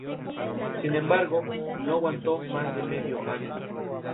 Sin embargo, no aguantó más que medio año.